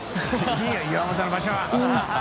いいよ岩元の場所は。